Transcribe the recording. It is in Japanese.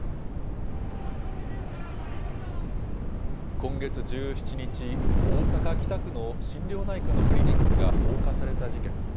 今月１７日、大阪・北区の心療内科のクリニックが放火された事件。